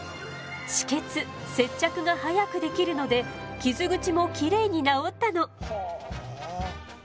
止血接着が早くできるので傷口もきれいに治ったの。